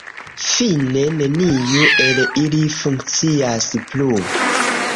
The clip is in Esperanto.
Fine, neniu el ili funkcias plu.